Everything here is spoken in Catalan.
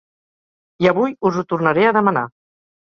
I avui us ho tornaré a demanar.